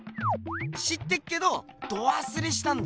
知ってっけどどわすれしたんだよ。